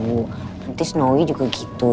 nanti snowy juga gitu